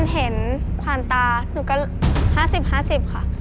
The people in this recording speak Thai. หนูก็๕๐๕๐ค่ะ